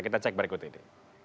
kita cek berikut ini